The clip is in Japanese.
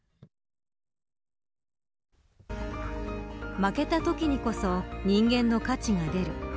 負けたときにこそ人間の価値が出る。